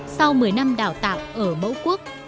sau một mươi năm đào tạo ở mẫu quốc